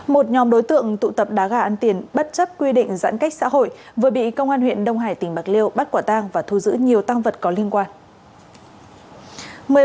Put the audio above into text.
một nhóm đối tượng tụ tập đá gà ăn tiền bất chấp quy định giãn cách xã hội vừa bị công an huyện đông hải tỉnh bạc liêu bắt quả tang và thu giữ nhiều tăng vật có liên quan